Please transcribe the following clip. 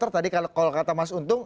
tadi kalau kata mas untung